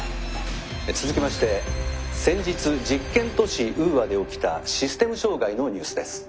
「続きまして先日実験都市ウーアで起きたシステム障害のニュースです。